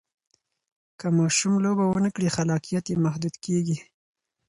که ماشوم لوبه ونه کړي، خلاقیت یې محدود کېږي.